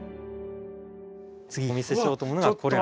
次お見せしようと思うのがこれ。